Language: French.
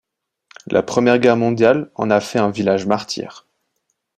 La Première Guerre mondiale en a fait un village martyr.